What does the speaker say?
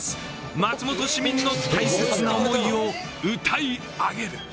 松本市民の大切な思いを歌い上げる